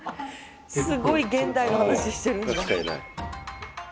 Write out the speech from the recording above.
すごい現代の話してるんだ。